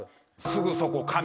すぐそこ神。